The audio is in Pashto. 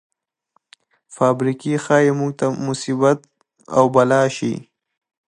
فابریکې ښايي موږ ته مصیبت او بلا شي.